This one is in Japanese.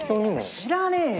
知らねえよ。